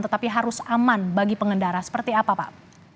tetapi harus aman bagi pengendara seperti apa pak